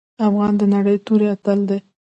افغان د نرۍ توري اتل دی.